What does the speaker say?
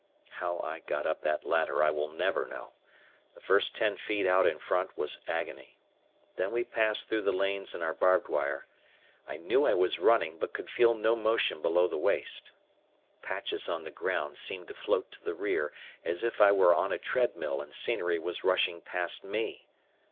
How I got up that ladder I will never know. The first ten feet out in front was agony. Then we passed through the lanes in our barbed wire. I knew I was running, but could feel no motion below the waist. Patches on the ground seemed to float to the rear as if I were on a treadmill and scenery was rushing past me.